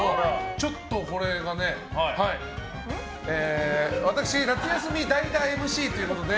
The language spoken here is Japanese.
ちょっとこれがね夏休み代打ＭＣということで。